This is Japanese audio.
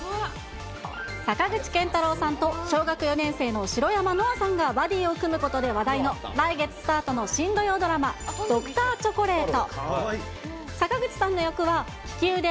坂口健太郎さんと小学４年生の白山乃愛さんが、バディを組むことで話題の来月スタートの新土曜ドラマ、Ｄｒ．チョコレート。